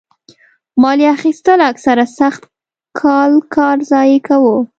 مالیه اخیستل اکثره سخت کال کار ضایع کاوه.